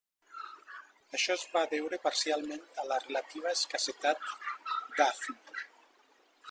Això es va deure parcialment a la relativa escassetat d'hafni.